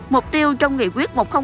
mục tiêu trong nghị quyết